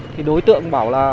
thì đối tượng bảo là